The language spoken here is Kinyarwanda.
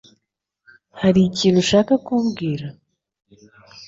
Hari ikintu ushaka kumbwira?